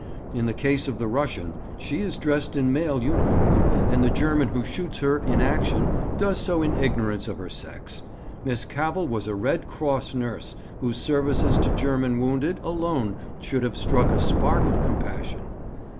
In the case of the Russian, she is dressed in male uniform, and the German who shoots her in action does so in ignorance of her sex; Miss Cavell was a Red Cross nurse whose services to German wounded alone should have struck a spark of compassion.